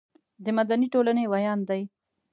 د مدني ټولنې ویاند دی.